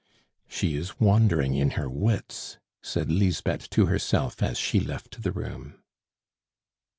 "She is wandering in her wits," said Lisbeth to herself, as she left the room.